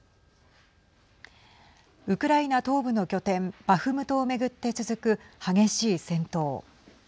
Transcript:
ウクライナ東部の拠点バフムトを巡って続く激しい戦闘。